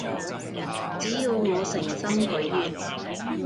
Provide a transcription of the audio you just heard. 只要我誠心許願